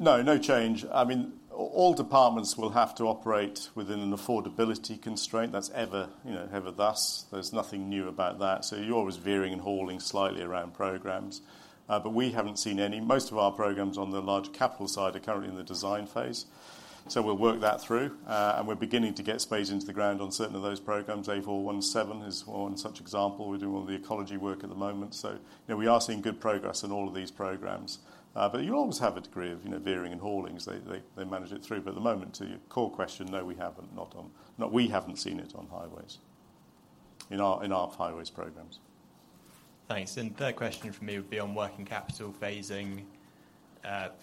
No, no change. I mean, all departments will have to operate within an affordability constraint. That's ever, you know, ever thus. There's nothing new about that, so you're always veering and hauling slightly around programs. But we haven't seen any. Most of our programs on the larger capital side are currently in the design phase, so we'll work that through. And we're beginning to get spades into the ground on certain of those programs. A417 is one such example. We're doing all the ecology work at the moment, so, you know, we are seeing good progress in all of these programs. But you'll always have a degree of, you know, veering and hauling as they, they, they manage it through. But at the moment, to your core question, no, we haven't, not on. No, we haven't seen it on highways, in our, in our highways programs. Thanks. And third question from me would be on working capital phasing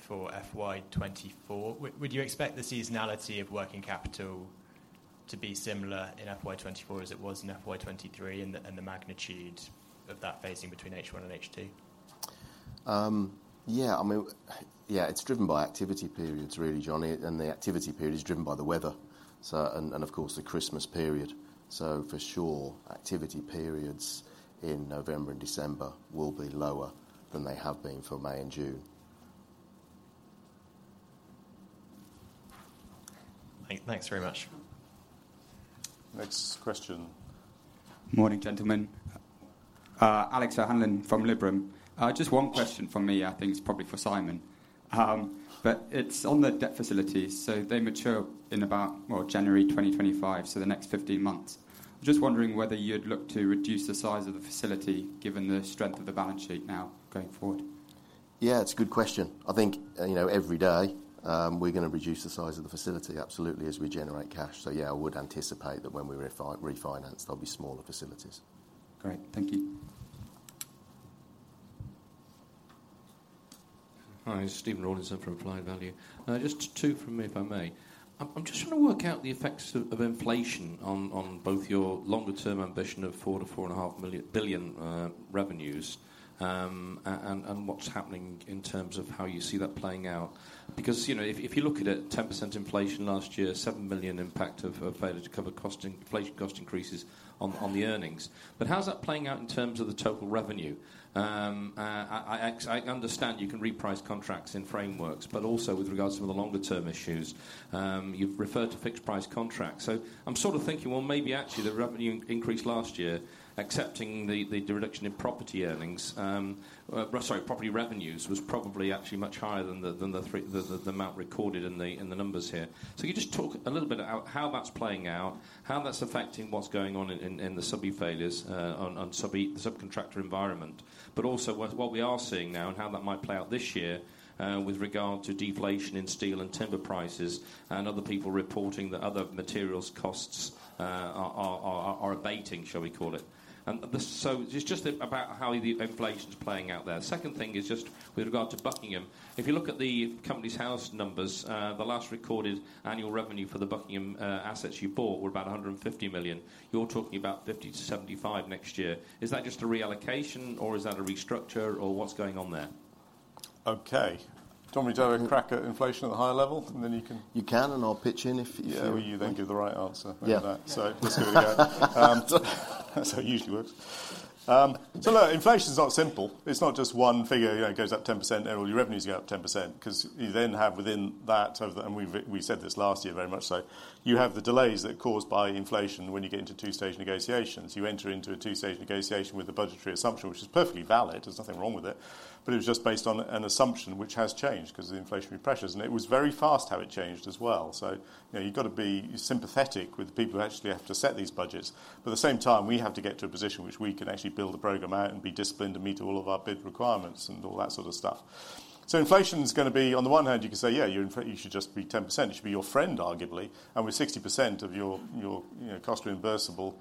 for FY 2024. Would you expect the seasonality of working capital to be similar in FY 2024 as it was in FY 2023, and the magnitude of that phasing between H1 and H2? Yeah, I mean, yeah, it's driven by activity periods, really, Jonny, and the activity period is driven by the weather. And, of course, the Christmas period. So for sure, activity periods in November and December will be lower than they have been for May and June. Thanks very much. Next question. Morning, gentlemen. Alex O'Hanlon from Liberum. Just one question from me, I think it's probably for Simon. It's on the debt facilities, so they mature in about, well, January 2025, so the next 15 months. Just wondering whether you'd look to reduce the size of the facility, given the strength of the balance sheet now going forward? Yeah, it's a good question. I think, you know, every day, we're gonna reduce the size of the facility, absolutely, as we generate cash. So yeah, I would anticipate that when we refinance, there'll be smaller facilities. Great. Thank you. Hi, Stephen Rawlinson from Applied Value. Just two from me, if I may. I'm just trying to work out the effects of inflation on both your longer-term ambition of 4 billion-4.5 billion revenues, and what's happening in terms of how you see that playing out. Because, you know, if you look at it, 10% inflation last year, 7 million impact of failure to cover cost inflation cost increases on the earnings. But how's that playing out in terms of the total revenue? I understand you can reprice contracts in frameworks, but also with regards to the longer-term issues, you've referred to fixed price contracts. So I'm sort of thinking, well, maybe actually the revenue increase last year, accepting the reduction in property earnings, sorry, property revenues, was probably actually much higher than the three, the amount recorded in the numbers here. So can you just talk a little bit about how that's playing out, how that's affecting what's going on in the subbie failures, on subbie-subcontractor environment? But also, what we are seeing now and how that might play out this year, with regard to deflation in steel and timber prices, and other people reporting that other materials costs are abating, shall we call it. So just about how the inflation's playing out there. Second thing is just with regard to Buckingham. If you look at the Companies House numbers, the last recorded annual revenue for the Buckingham assets you bought were about 150 million. You're talking about 50 million-75 million next year. Is that just a reallocation, or is that a restructure, or what's going on there? Okay. Do you want me to have a crack at inflation at a higher level, and then you can- You can, and I'll pitch in if- Yeah, well, you then give the right answer. Yeah. So let's give it a go. That's how it usually works. So look, inflation is not simple. It's not just one figure. You know, it goes up 10%, and all your revenues go up 10%, 'cause you then have within that of the and we've said this last year, very much so, you have the delays that are caused by inflation when you get into two-stage negotiations. You enter into a two-stage negotiation with the budgetary assumption, which is perfectly valid. There's nothing wrong with it, but it was just based on an assumption which has changed because of the inflationary pressures, and it was very fast, how it changed as well. So, you know, you've got to be sympathetic with the people who actually have to set these budgets. But at the same time, we have to get to a position which we can actually build a program out and be disciplined and meet all of our bid requirements and all that sort of stuff. So inflation is gonna be, on the one hand, you can say, yeah, you should just be 10%. It should be your friend, arguably, and with 60% of your, your, you know, cost reimbursable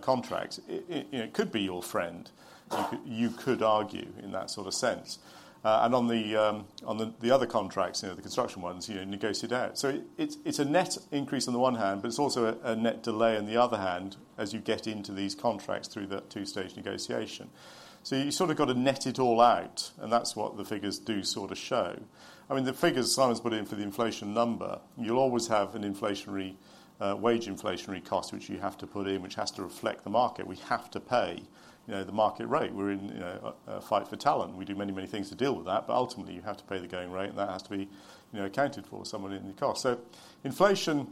contracts, it, you know, it could be your friend. You could, you could argue in that sort of sense. And on the, on the, the other contracts, you know, the construction ones, you negotiate out. So it's, it's a net increase on the one hand, but it's also a, a net delay on the other hand, as you get into these contracts through that two-stage negotiation. So you sort of got to net it all out, and that's what the figures do sort of show. I mean, the figures Simon's put in for the inflation number, you'll always have an inflationary wage inflationary cost, which you have to put in, which has to reflect the market. We have to pay, you know, the market rate. We're in, you know, a fight for talent. We do many, many things to deal with that, but ultimately, you have to pay the going rate, and that has to be, you know, accounted for somewhere in the cost. So inflation,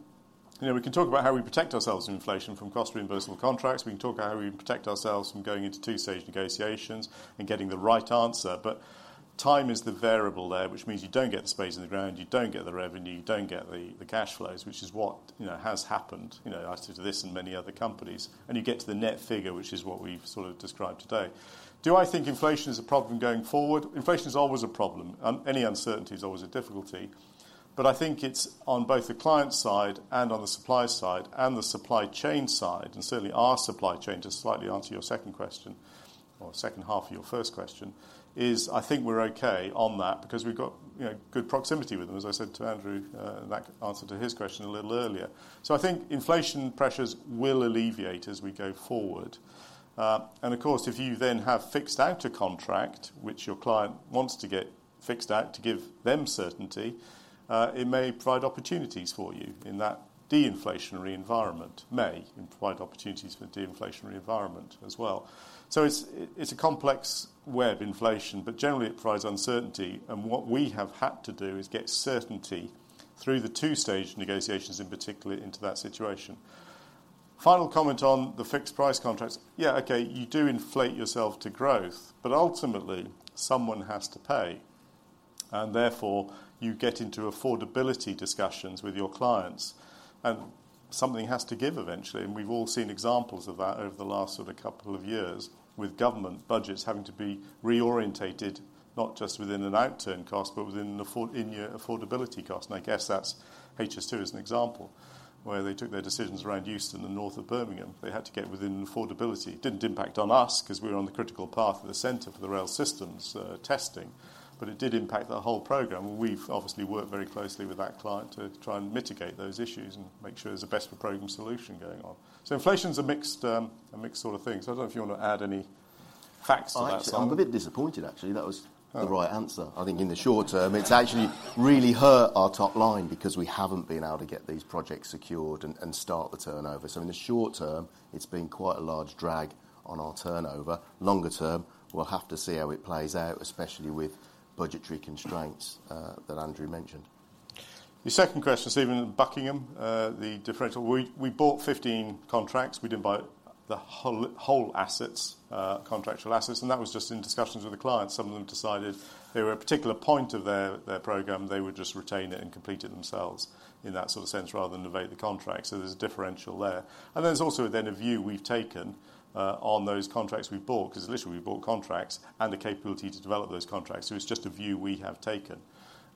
you know, we can talk about how we protect ourselves from inflation, from cost reimbursable contracts. We can talk about how we protect ourselves from going into two-stage negotiations and getting the right answer, but time is the variable there, which means you don't get the spades in the ground, you don't get the revenue, you don't get the cash flows, which is what, you know, has happened, you know, as to this and many other companies. And you get to the net figure, which is what we've sort of described today. Do I think inflation is a problem going forward? Inflation is always a problem. Any uncertainty is always a difficulty, but I think it's on both the client side and on the supply side and the supply chain side, and certainly our supply chain, to slightly answer your second question or second half of your first question, is I think we're okay on that because we've got, you know, good proximity with them, as I said to Andrew, in that answer to his question a little earlier. So I think inflation pressures will alleviate as we go forward. And of course, if you then have fixed out a contract which your client wants to get fixed out to give them certainty, it may provide opportunities for you in that de-inflationary environment. May provide opportunities for de-inflationary environment as well. So it's a complex web, inflation, but generally, it provides uncertainty, and what we have had to do is get certainty through the two-stage negotiations, in particular, into that situation. Final comment on the fixed-price contracts. Yeah, okay, you do inflate yourself to growth, but ultimately, someone has to pay, and therefore, you get into affordability discussions with your clients, and something has to give eventually. And we've all seen examples of that over the last sort of couple of years, with government budgets having to be reoriented, not just within an outturn cost, but within the in your affordability cost. And I guess that's HS2 as an example, where they took their decisions around Euston and the north of Birmingham. They had to get within affordability. Didn't impact on us because we're on the critical path for the center for the rail systems, testing, but it did impact the whole program. We've obviously worked very closely with that client to try and mitigate those issues and make sure there's a best program solution going on. So inflation's a mixed, a mixed sort of thing. So I don't know if you want to add any facts to that, Simon? I'm a bit disappointed, actually. That was- Oh the right answer. I think in the short term, it's actually really hurt our top line because we haven't been able to get these projects secured and start the turnover. So in the short term, it's been quite a large drag on our turnover. Longer term, we'll have to see how it plays out, especially with budgetary constraints that Andrew mentioned. The second question, Stephen, Buckingham, the differential. We bought 15 contracts. We didn't buy the whole assets, contractual assets, and that was just in discussions with the client. Some of them decided they were at a particular point of their program, they would just retain it and complete it themselves in that sort of sense, rather than evade the contract. So there's a differential there. And there's also then a view we've taken on those contracts we've bought, because literally, we've bought contracts and the capability to develop those contracts. So it's just a view we have taken.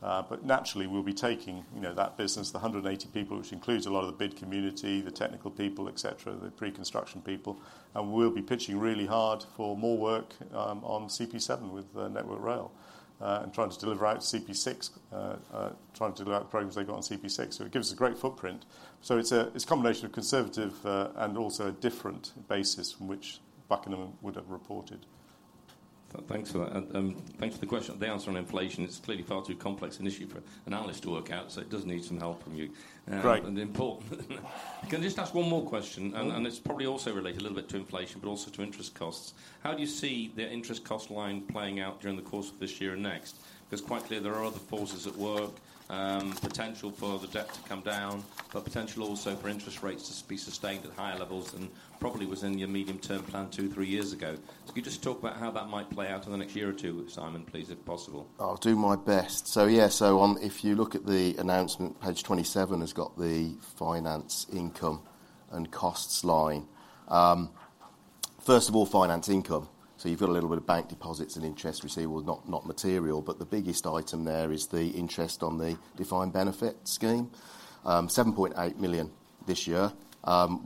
But naturally, we'll be taking, you know, that business, the 180 people, which includes a lot of the bid community, the technical people, et cetera, the preconstruction people, and we'll be pitching really hard for more work on CP7 with Network Rail and trying to deliver out CP6, trying to deliver out the programs they got on CP6. So it gives us a great footprint. So it's a, it's a combination of conservative and also a different basis from which Buckingham would have reported. Thanks for that, and thanks for the question. The answer on inflation is clearly far too complex an issue for an analyst to work out, so it does need some help from you. Right. Important. Can I just ask one more question? Mm-hmm. And it's probably also related a little bit to inflation, but also to interest costs. How do you see the interest cost line playing out during the course of this year and next? Because quite clearly, there are other forces at work, potential for the debt to come down, but potential also for interest rates to be sustained at higher levels and probably was in your medium-term plan two, three years ago. So could you just talk about how that might play out in the next year or two, Simon, please, if possible? I'll do my best. So yeah, so on—if you look at the announcement, page 27 has got the finance, income, and costs line. First of all, finance income. So you've got a little bit of bank deposits and interest receivable, not material, but the biggest item there is the interest on the defined benefit scheme, 7.8 million this year.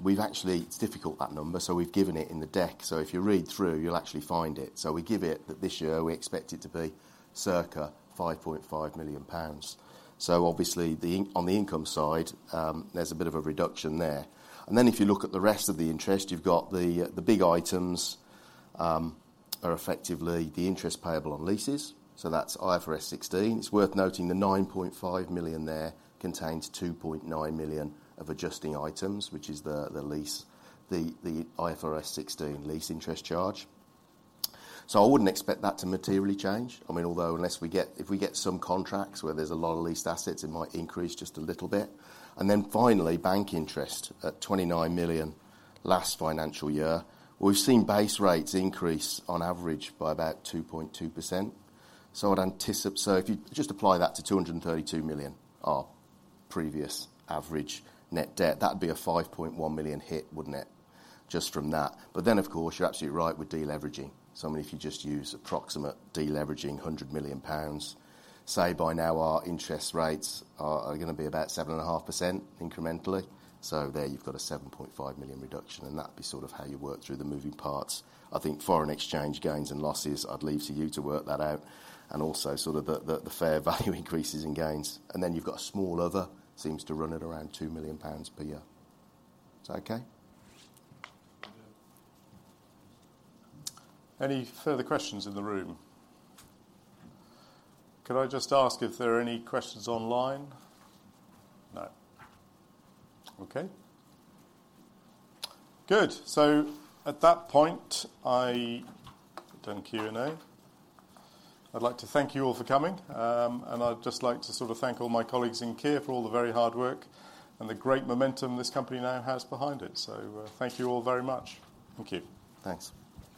We've actually. It's difficult, that number, so we've given it in the deck. So if you read through, you'll actually find it. So we give it that this year, we expect it to be circa 5.5 million pounds. So obviously, the inc—on the income side, there's a bit of a reduction there. And then if you look at the rest of the interest, you've got the, the big items are effectively the interest payable on leases, so that's IFRS 16. It's worth noting the 9.5 million there contains 2.9 million of adjusting items, which is the, the lease, the, the IFRS 16 lease interest charge. So I wouldn't expect that to materially change. I mean, although, unless we get if we get some contracts where there's a lot of leased assets, it might increase just a little bit. And then finally, bank interest at 29 million last financial year. We've seen base rates increase on average by about 2.2%. So if you just apply that to 232 million, our previous average net debt, that would be a 5.1 million hit, wouldn't it? Just from that. But then, of course, you're absolutely right with deleveraging. So, I mean, if you just use approximate deleveraging, 100 million pounds, say by now, our interest rates are gonna be about 7.5% incrementally. So there you've got a 7.5 million reduction, and that'd be sort of how you work through the moving parts. I think foreign exchange gains and losses, I'd leave to you to work that out, and also sort of the fair value increases and gains. And then you've got a small other, seems to run at around 2 million pounds per year. Is that okay? Any further questions in the room? Could I just ask if there are any questions online? No. Okay. Good. So at that point, I done Q&A. I'd like to thank you all for coming, and I'd just like to sort of thank all my colleagues in Kier for all the very hard work and the great momentum this company now has behind it. So, thank you all very much. Thank you. Thanks.